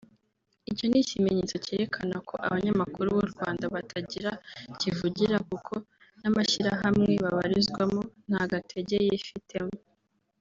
Icyo ni ikimenyetso cyerekana ko abanyamakuru b’u Rwanda batagira kivugira kuko n’amashyirahamwe babarizwamo nta gatege yifitemo